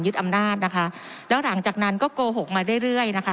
อำนาจนะคะแล้วหลังจากนั้นก็โกหกมาเรื่อยเรื่อยนะคะ